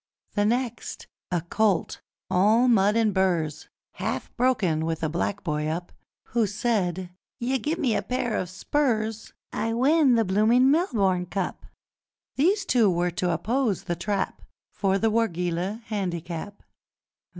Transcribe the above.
The next, a colt all mud and burrs! Half broken, with a black boy up, Who said, 'You gim'me pair o' spurs, I win the bloomin' Melbourne Cup!' These two were to oppose The Trap For the Wargeilah Handicap!